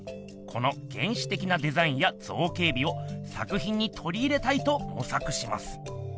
この原始的なデザインや造形美を作品にとり入れたいともさくします。